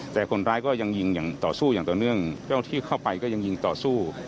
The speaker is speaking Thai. แต่คนร้ายก็ยังยิงอย่างต่อสู้อย่างต่อเนื่องเจ้าที่เข้าไปก็ยังยิงต่อสู้